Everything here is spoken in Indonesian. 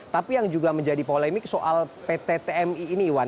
tapi yang juga menjadi polemik soal pt tmi ini iwan